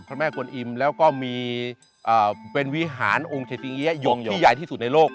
แม่กวนอิมแล้วก็มีเป็นวิหารองค์เศรษฐิยงที่ใหญ่ที่สุดในโลก